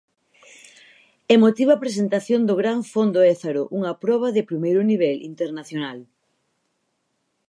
Emotiva presentación do gran Fondo Ézaro, unha proba de primeiro nivel internacional.